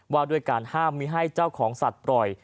ว่าด้วยการห้ามมีให้เจ้าของสัตว์ปล่อย